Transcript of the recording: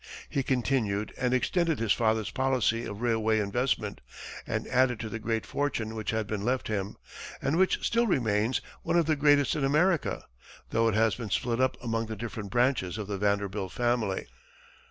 He continued and extended his father's policy of railway investment, and added to the great fortune which had been left him, and which still remains one of the greatest in America, though it has been split up among the different branches of the Vanderbilt family.